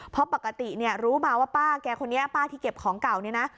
เพราะปกติเนี่ยรู้มาว่าป้าแกคนนี้ป้าที่เก็บของเก่าเนี่ยนะ